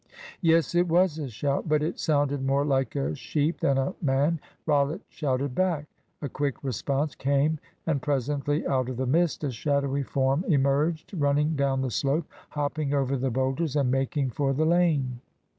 Yes, it was a shout, but it sounded more like a sheep than a man. Rollitt shouted back. A quick response came, and presently out of the mist a shadowy form emerged running down the slope, hopping over the boulders, and making for the lane.